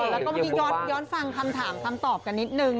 แล้วก็เมื่อกี้ย้อนฟังคำถามคำตอบกันนิดนึง